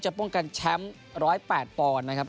ป้องกันแชมป์๑๐๘ปอนด์นะครับ